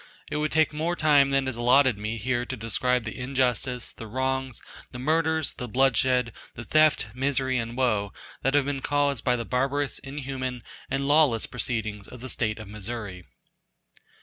It would take more time than is allotted me here to describe the injustice, the wrongs, the murders, the bloodshed, the theft, misery, and woe that have been caused by the barbarous, inhuman, and lawless, proceedings of the state of Missouri.